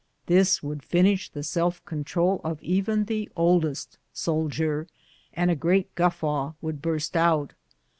This would finisli the self control of even the oldest soldier, and a great guffaw would burst out.